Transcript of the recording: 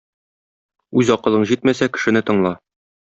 Үз акылың җитмәсә, кешене тыңла.